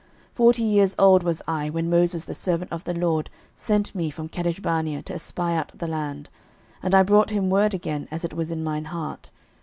06:014:007 Forty years old was I when Moses the servant of the LORD sent me from Kadeshbarnea to espy out the land; and I brought him word again as it was in mine heart.